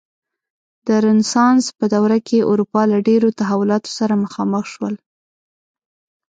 د رنسانس په دوره کې اروپا له ډېرو تحولاتو سره مخامخ شول.